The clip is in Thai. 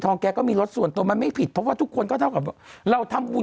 แกก็มีรถส่วนตัวมันไม่ผิดเพราะว่าทุกคนก็เท่ากับว่าเราทำบุญ